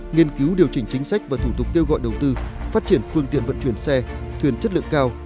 nghiên cứu điều chỉnh chính sách và thủ tục kêu gọi đầu tư phát triển phương tiện vận chuyển xe thuyền chất lượng cao